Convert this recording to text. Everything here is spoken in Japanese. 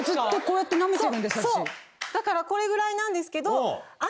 だからこれぐらいなんですけど。